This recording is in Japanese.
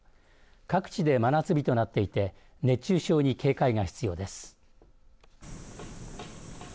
各地で真夏日となっていて熱中症に警戒が必要です。